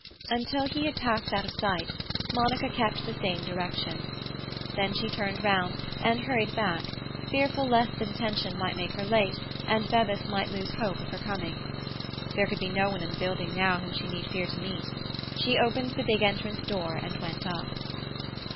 Until he had passed out of sight, Monica kept the same direction. Then she turned round and hurried back, fearful lest the detention might make her late, and Bevis might lose hope of her coming. There could be no one in the building now whom she need fear to meet. She opened the big entrance door and went up.